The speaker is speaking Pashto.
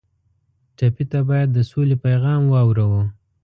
ټپي ته باید د سولې پیغام واورو.